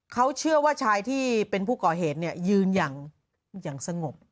เขาเชื่อว่าชายที่เป็นผู้ก่อเหตุยืนอย่างสงบ